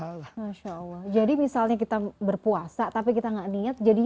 jadi misalnya kita berpuasa tapi kita gak niat